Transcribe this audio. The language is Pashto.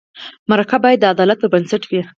مرکه باید د عدالت پر بنسټ وي.